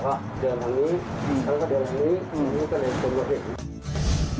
แล้วก็เดินแหลงนี้นี่ก็เลยผลโยชน์เห็น